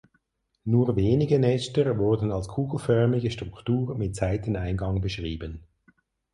Nur wenige Nester wurden als kugelförmige Struktur mit Seiteneingang beschrieben.